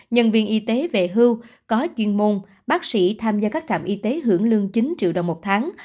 nhân viên y tế về hưu có chuyên môn bác sĩ tham gia các trạm y tế hưởng lương chín triệu đồng một tháng